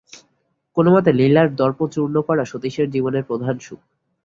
কোনোমতে লীলার দর্প চূর্ণ করা সতীশের জীবনের প্রধান সুখ।